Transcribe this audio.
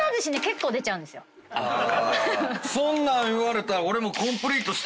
そんなん言われたら俺も。